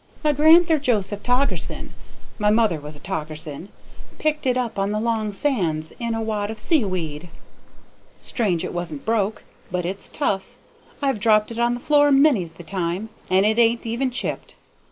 My grand'ther Joseph Toggerson my mother was a Toggerson picked it up on the long sands in a wad of sea weed: strange it wasn't broke, but it's tough; I've dropped it on the floor, many's the time, and it ain't even chipped.